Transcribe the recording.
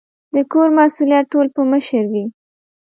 د کور مسؤلیت ټول په مشر وي